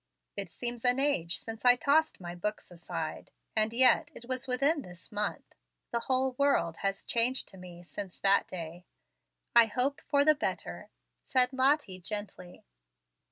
"It seems an age since I tossed my books aside, and yet, it was within this month. The whole world has changed to me since that day." "I hope for the better," said Lottie, gently.